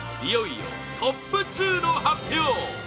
いよいよトップ２の発表